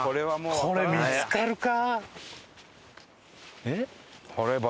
これ見つかるか？